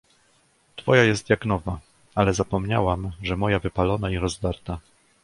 "Twoja jest jak nowa; ale zapomniałam, że moja wypalona i rozdarta!"